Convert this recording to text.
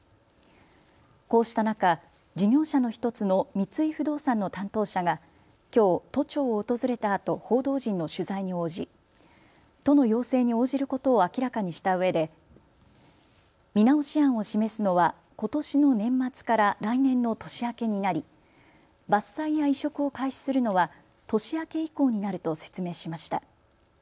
こうした中、事業者の１つの三井不動産の担当者がきょう都庁を訪れたあと報道陣の取材に応じ都の要請に応じることを明らかにしたうえで見直し案を示すのは、ことしの年末から来年の年明けになり伐採や移植を開始するのは年明け以降になると説明しました。